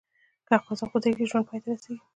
که خوځښت ودریږي، ژوند پای ته رسېږي.